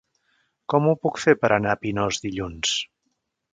Com ho puc fer per anar a Pinós dilluns?